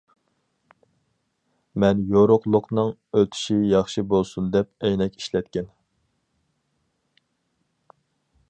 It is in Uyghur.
مەن يورۇقلۇقنىڭ ئۆتۈشى ياخشى بولسۇن دەپ ئەينەك ئىشلەتكەن.